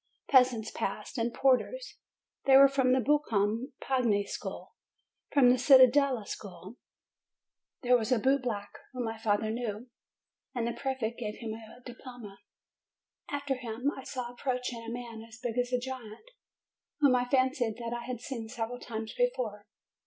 Peasants passed, and porters; they were from the Buoncom pagni School. From the Cittadella School there was a bootblack whom my father knew, and the prefect gave him a diploma. After him I saw approaching a man as big as a giant, whom I fancied that I had seen several times before.